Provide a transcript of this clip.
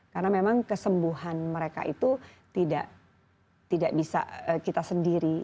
karena memang kesembuhan mereka itu tidak bisa kita sendiri